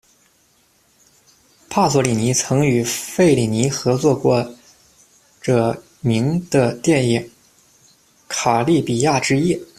帕索里尼曾与费里尼合作过着名的电影《卡利比亚之夜》。